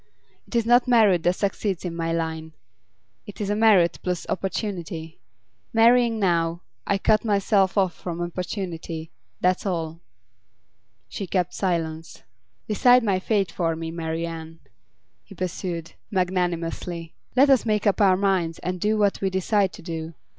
It is not merit that succeeds in my line; it is merit plus opportunity. Marrying now, I cut myself off from opportunity, that's all.' She kept silence. 'Decide my fate for me, Marian,' he pursued, magnanimously. 'Let us make up our minds and do what we decide to do.